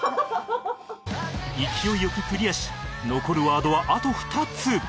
勢いよくクリアし残るワードはあと２つ